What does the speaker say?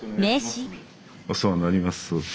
お世話になります。